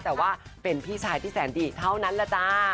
แต่ว่าเป็นพี่ชายที่แสนดีเท่านั้นแหละจ้า